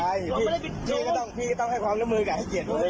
ได้ครับไม่เป็นไร